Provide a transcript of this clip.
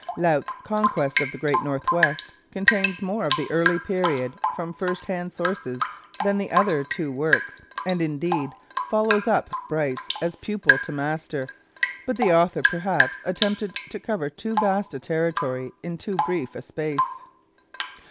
Laut's Conquest of the Great North West contains more of the early period from first hand sources than the other two works, and, indeed, follows up Bryce as pupil to master, but the author perhaps attempted to cover too vast a territory in too brief a space.